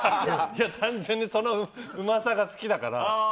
単純にそのうまさが好きだから。